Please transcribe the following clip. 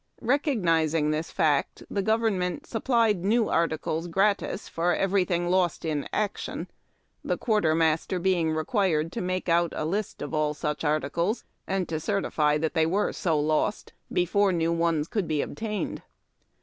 Recognizing this fact, the gov ernment sujiplied new articles gratis for everything lost in action, the quartermaster being required to make out a list of all such articles, and to certify that they were so lost, before new ones could be obtained.